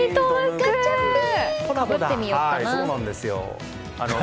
かぶってみようかな。